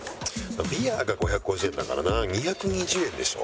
ビアが５５０円だからな２２０円でしょ？